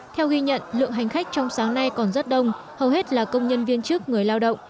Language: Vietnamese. theo ghi nhận lượng hành khách trong sáng nay còn rất đông hầu hết là công nhân viên chức người lao động